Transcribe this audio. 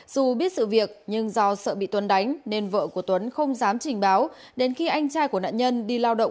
dù biết sự việc nhưng do sợ bị tuấn đánh nên vợ của tuấn không dám trình báo đến khi anh trai của nạn nhân đi lao động